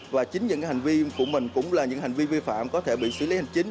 và chính những hành vi của mình cũng là những hành vi vi phạm có thể bị xử lý hành chính